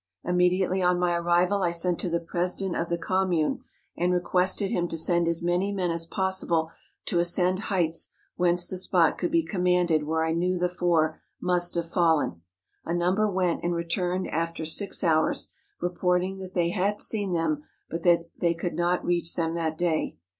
Immediately on my arrival I sent to the Presi¬ dent of the Commune, and requested him to send as many men as possible to ascend heights whence the spot could be commanded where I knew the four must have fallen. A number went and re¬ turned after six hours, reporting that they had seen them, but that they could not reach them that day.